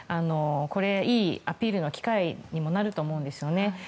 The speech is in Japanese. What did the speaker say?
いいアピールの機会にもなると思うんですよね。